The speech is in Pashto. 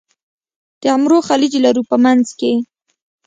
د عمرو خلیج لرو په منځ کې.